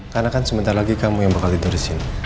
karena kan sebentar lagi kamu yang bakal tidur disini